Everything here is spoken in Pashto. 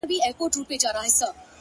سم داسي ښكاري راته؛